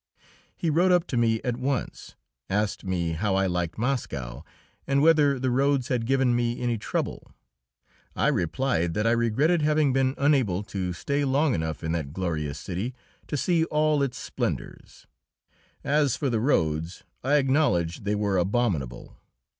He rode up to me at once, asked me how I liked Moscow, and whether the roads had given me any trouble. I replied that I regretted having been unable to stay long enough in that glorious city to see all its splendours; as for the roads, I acknowledged they were abominable.